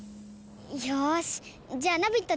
よしじゃあナビット